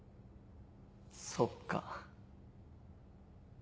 そっか。